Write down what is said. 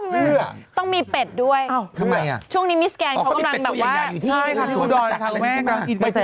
เหรอต้องมีเป็ดด้วยช่วงนี้มิสแกนเขากำลังแบบว่าอ๋อมีเป็ดตัวใหญ่อยู่ที่สวนประจักร